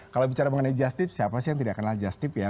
kalau bicara mengenai just tip siapa sih yang tidak kenal just tip ya